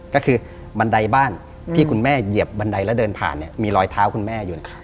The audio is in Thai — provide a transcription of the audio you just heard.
ก็คือบันไดบ้านที่คุณแม่เหยียบบันไดแล้วเดินผ่านเนี่ยมีรอยเท้าคุณแม่อยู่